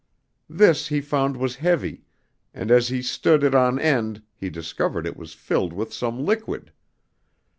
This he found was heavy, and as he stood it on end he discovered it was filled with some liquid.